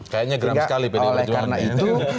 kayaknya geram sekali pdi perjuangan